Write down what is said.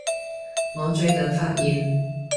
我最近發現